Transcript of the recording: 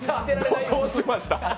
どうしました？